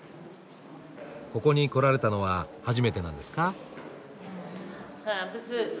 ここに来られたのは初めてなんですか？